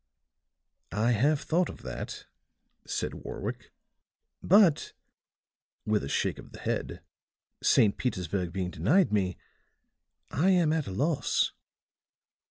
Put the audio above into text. "I have thought of that," said Warwick. "But," with a shake of the head, "St. Petersburg being denied me, I am at a loss."